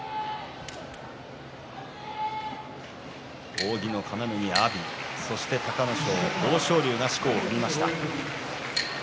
扇の要に阿炎そして阿武咲、豊昇龍がしこを踏みました。